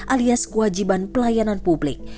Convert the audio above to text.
alias kewajiban pelayanan publik